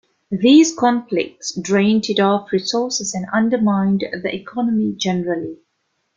These conflicts drained it of resources and undermined the economy generally.